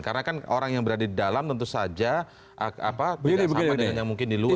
karena kan orang yang berada di dalam tentu saja tidak sama dengan yang mungkin di luar